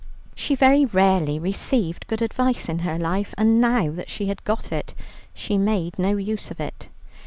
She very rarely received good advice in her life, and now that she had got it, she made no use of it.